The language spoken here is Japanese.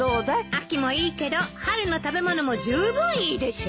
秋もいいけど春の食べ物も十分いいでしょ？